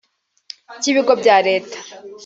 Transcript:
icy’ibigo bya Leta